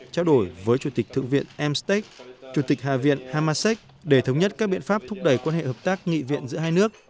trao đổi với chủ tịch thượng viện mstec chủ tịch hạ viện hamasek để thống nhất các biện pháp thúc đẩy quan hệ hợp tác nghị viện giữa hai nước